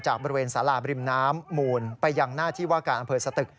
บริเวณสาราบริมน้ำมูลไปยังหน้าที่ว่าการอำเภอสตึก